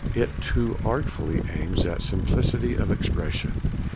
It too artfully aims at simplicity of expression.'